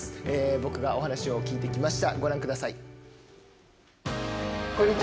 僕がお話を聞いてきました。